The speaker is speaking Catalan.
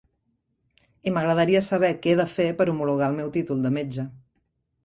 I m'agradaria saber què he de fer per homologar el meu títol de Metge.